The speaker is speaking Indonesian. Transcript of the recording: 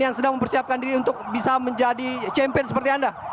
yang sedang mempersiapkan diri untuk bisa menjadi champion seperti anda